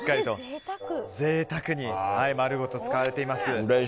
贅沢に丸ごと使われています。